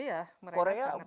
iya mereka sangat